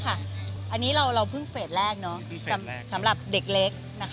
อันนี้เราเพิ่งเฟสแรกสำหรับเด็กเล็ก